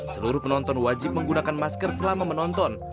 seluruh penonton wajib menggunakan masker selama menonton